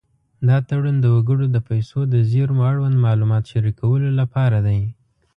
دا تړون د وګړو د پیسو د زېرمو اړوند معلومات شریکولو لپاره دی.